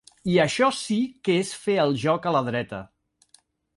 I això sí que és fer el joc a la dreta.